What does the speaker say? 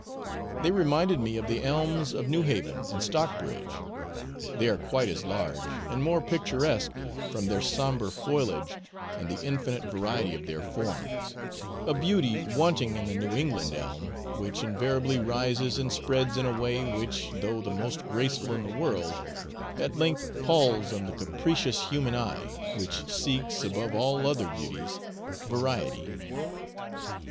They reminded me of the elms of Newhaven and Stockbridge. They are quite as large, and more picturesque, from their sombre foliage and the infinite variety of their forms a beauty wanting in the New England elm, which invariably rises and spreads in a way which, though the most graceful in the world, at length palls on the capricious human eye, which seeks, above all other beauties, variety.